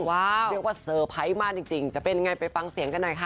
เรียกว่าเซอร์ไพรส์มากจริงจะเป็นยังไงไปฟังเสียงกันหน่อยค่ะ